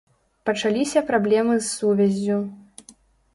Пачаліся праблемы з сувяззю.